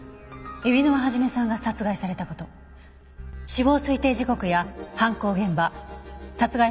海老沼肇さんが殺害された事死亡推定時刻や犯行現場殺害方法に変わりはありません。